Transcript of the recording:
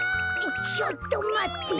ちょっとまって。